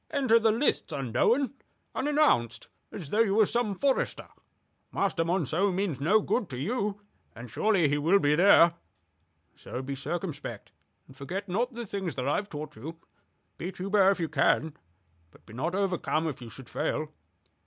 "Enter the lists unknown, unannounced, as though you were some forester. Master Monceux means no good to you, and surely he will be there. So be circumspect; and forget not the things that I have taught you. Beat Hubert if you can, but be not overcome if you should fail.